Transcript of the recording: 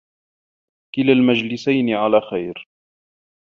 كِلَا الْمَجْلِسَيْنِ عَلَى خَيْرٍ